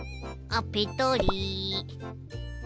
あっペトリ。